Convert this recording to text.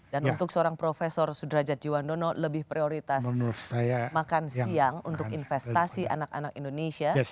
dan untuk seorang profesor sudrajat jiwandono lebih prioritas makan siang untuk investasi anak anak indonesia